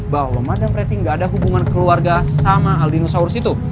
bahwa madam pretty gak ada hubungan keluarga sama aldinosaurus itu